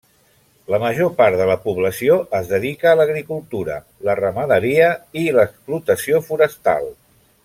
La major part de la població es dedica a l'agricultura, la ramaderia i l’explotació forestal.